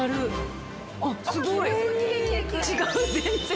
違う全然！